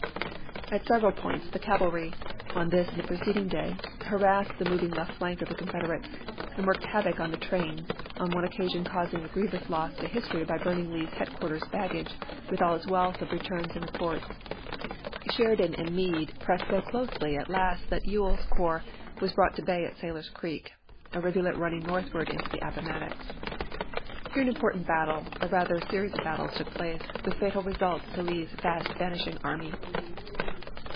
At several points the cavalry, on this and the preceding day, harassed the moving left flank of the Confederates and worked havoc on the trains, on one occasion causing a grievous loss to history by burning Lee's headquarters baggage with all its wealth of returns and reports. Sheridan and Meade pressed so closely at last that E well's corps was brought to bay at Sailor's Creek, a rivulet running northward into the Appomattox. Here an important battle, or rather series of battles, took place, with fatal results to Lee's fast vanishing army.